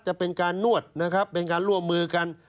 จะเป็นการนวดนะครับเป็นการร่วมมือกัน